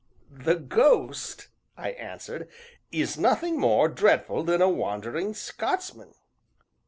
"The ghost," I answered, "is nothing more dreadful than a wandering Scotsman!"